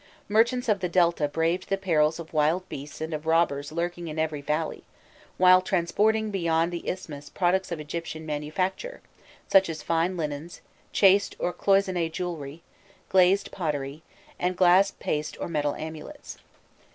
Merchants of the Delta braved the perils of wild beasts and of robbers lurking in every valley, while transporting beyond the isthmus products of Egyptian manufacture, such as fine linens, chased or cloisonné jewellery, glazed pottery, and glass paste or metal amulets.